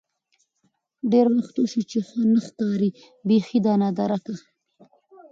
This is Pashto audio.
ډېر وخت وشو چې نه ښکارې بيخې ده نادركه.